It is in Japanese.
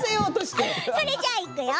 それじゃあ、いくよ！